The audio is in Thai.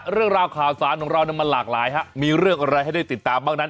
เรื่องราวข่าวสารของเรามันหลากหลายฮะมีเรื่องอะไรให้ได้ติดตามบ้างนั้น